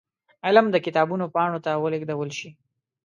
علم د کتابونو پاڼو ته ولېږدول شي.